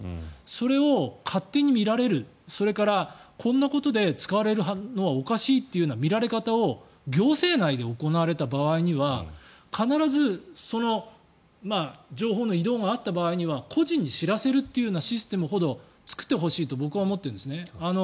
それを勝手に見られるそれからこんなことで使われるのはおかしいという見られ方を行政内で行われた場合には必ず情報の移動があった場合には個人に知らせるというシステムほど作ってほしいと僕は思っているんですね。